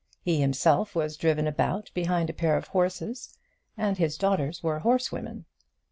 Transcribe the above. He himself was driven about behind a pair of horses, and his daughters were horsewomen.